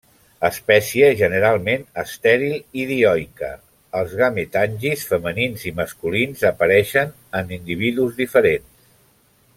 Espècie generalment estèril i dioica, els gametangis femenins i masculins apareixen en individus diferents.